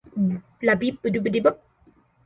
Land's End is a popular venue for rock climbers.